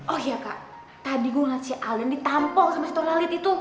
oh iya kak tadi gue liat si alden ditampol sama si torna liat itu